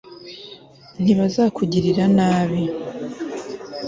ntibazakugirira nabi